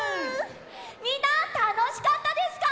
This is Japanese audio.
みんなたのしかったですか？